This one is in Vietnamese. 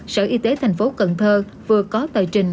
sở y tế tp cn vừa có tờ trình